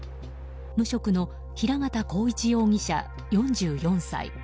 無職の平形晃一容疑者、４４歳。